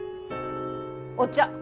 お茶